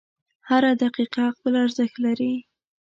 • هره دقیقه خپل ارزښت لري.